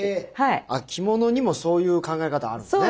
着物にもそういう考え方あるんですね。